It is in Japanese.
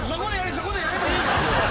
そこでやればいいじゃん。